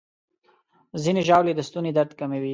ځینې ژاولې د ستوني درد کموي.